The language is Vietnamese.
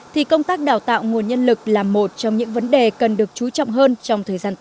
thì công tác đào tạo nguồn nhân lực là một trong những vấn đề cần được chú trọng hơn trong thời gian tới